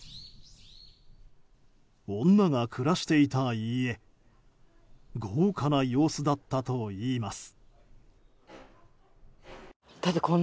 女が暮らしていた家豪華な様子だったといいます。